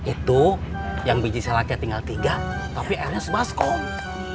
itu yang biji salaknya tinggal tiga tapi airnya sebaskon